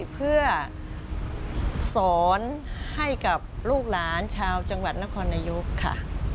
เพื่อสอนให้กับลูกหลานชาวจังหวัดนครนายกค่ะ